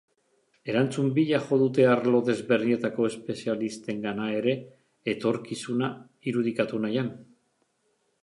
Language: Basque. Erantzun bila jo dute arlo desberdinetako espezialistengana ere etorkizuna irudikatu nahian.